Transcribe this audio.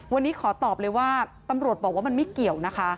วันนี้ขอตอบเลยว่าตำรวจบอกว่ามันไม่เกี่ยวนะคะ